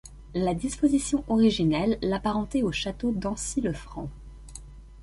La disposition originelle l'apparentait au château d'Ancy-le-Franc.